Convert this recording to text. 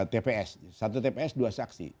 tps satu tps dua saksi